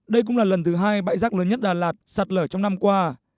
đây cũng là lần thứ hai bãi rác lớn nhất đà lạt sạt lở trong năm qua